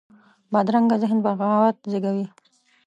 بدرنګه ذهن بغاوت زېږوي